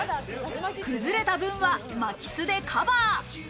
崩れた部分は巻きすでカバー。